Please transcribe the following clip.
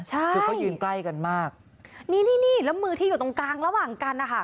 ใช่คือเขายืนใกล้กันมากนี่นี่แล้วมือที่อยู่ตรงกลางระหว่างกันนะคะ